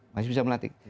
masih bisa melantik